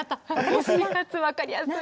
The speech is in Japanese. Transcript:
推し活分かりやすい。